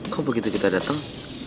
kok begitu kita dateng